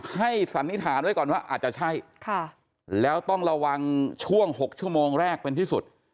สันนิษฐานไว้ก่อนว่าอาจจะใช่แล้วต้องระวังช่วง๖ชั่วโมงแรกเป็นที่สุด